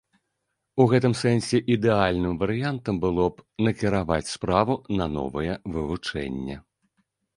У гэтым сэнсе ідэальным варыянтам было б накіраваць справу на новае вывучэнне.